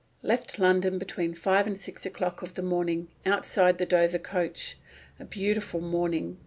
"Left London between five and six o'clock of the morning, outside the Dover coach. A beautiful morning.